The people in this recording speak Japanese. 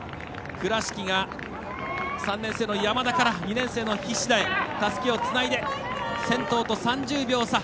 倉敷が３年生の山田から２年生の菱田へたすきをつないで先頭と３０秒差。